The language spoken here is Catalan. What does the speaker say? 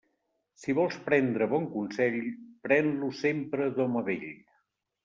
Si vols prendre bon consell, pren-lo sempre d'home vell.